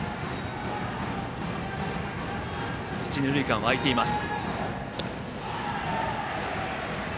一、二塁間はあいています。